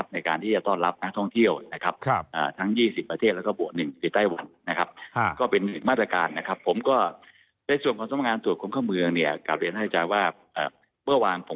ในการทรงเที่ยว